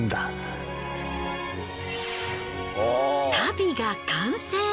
足袋が完成。